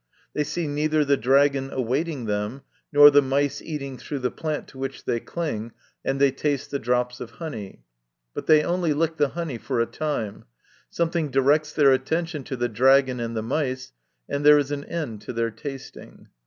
They see neither the dragon awaiting them, nor the mice eating through the plant to which they cling, and they taste the drops of honey. But they only lick the honey for a time ; something directs their attention to the dragon and the mice, and there is an end to their tasting.